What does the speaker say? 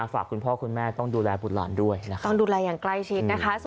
คุณพ่อคุณแม่ต้องดูแลบุตรหลานด้วยต้องดูแลอย่างใกล้ชิดนะคะ